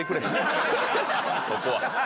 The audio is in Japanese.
そこは。